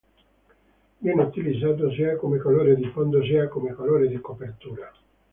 Viene utilizzato sia come colore di fondo sia come colore di copertura.